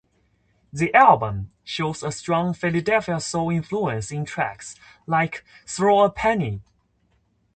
The album shows a strong Philadelphia soul influence in tracks like "Throw a Penny".